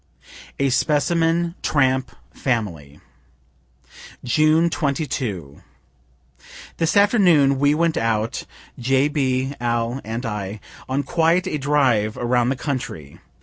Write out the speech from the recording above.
A SPECIMEN TRAMP FAMILY June 22. This afternoon we went out (J. B., Al. and I) on quite a drive around the country.